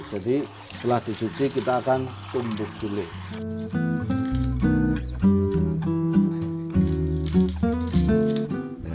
jadi setelah disuci kita akan tumbuk dulu